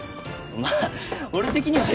まあ俺的には。